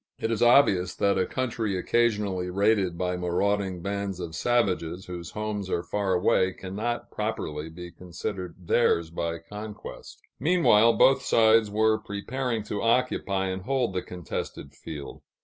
It is obvious that a country occasionally raided by marauding bands of savages, whose homes are far away, cannot properly be considered theirs by conquest. Meanwhile, both sides were preparing to occupy and hold the contested field.